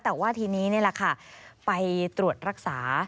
แต่ว่าทีนี้นี่แหละค่ะไปตรวจรักษา